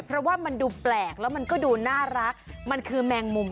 เพราะว่ามันดูแปลกแล้วมันก็ดูน่ารักมันคือแมงมุม